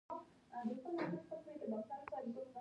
تر هغه مهم د کانټ تحلیل دی.